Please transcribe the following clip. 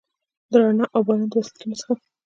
د رڼا اوباران، د وصلتونو څخه،